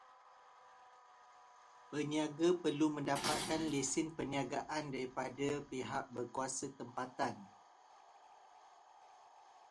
Peniaga perlu mendapatkan lesen peniagaan daripada pihak berkuasa tempatan.